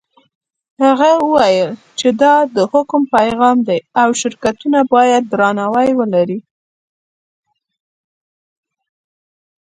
هغه وویل چې دا د حکم پیغام دی او شرکتونه باید درناوی ولري.